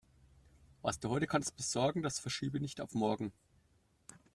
Was du heute kannst besorgen, das verschiebe nicht auf morgen.